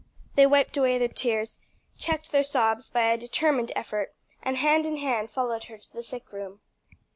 They wiped away their tears, checked their sobs by a determined effort, and hand in hand followed her to the sick room.